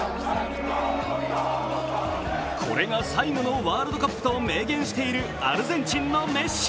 これが最後のワールドカップと明言しているアルゼンチンのメッシ。